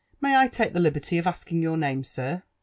— May I lake the liberty of asking your name, sir?